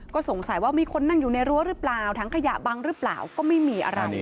ก็สงสัยว่ามีคนนั่งอยู่ในรั้วหรือเปล่าถังขยะบังหรือเปล่าก็ไม่มีอะไร